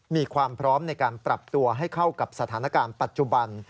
มีความพร้อมในการปรับตัวให้เข้ากับสถานการณ์ปัจจุบัน